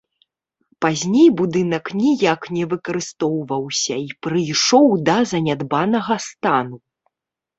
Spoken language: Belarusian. Пазней будынак ніяк не выкарыстоўваўся і прыйшоў да занядбанага стану.